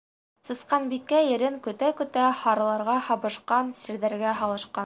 Сысҡанбикә ирен көтә-көтә һарыларға һабышҡан, сирҙәргә һалышҡан.